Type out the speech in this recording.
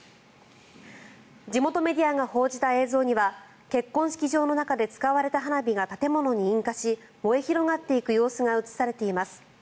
地元メディアが報じた映像には結婚式場の中で使われた花火が建物に引火し燃え広がっていく様子が映されています。